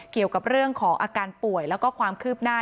เกี่ยวกับเรื่องของอาการป่วยแล้วก็ความคืบหน้า